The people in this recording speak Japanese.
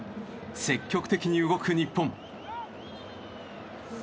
積極的に動く日本。